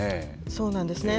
そうなんですね。